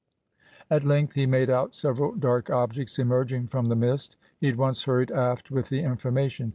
At length he made out several dark objects emerging from the mist. He at once hurried aft with the information.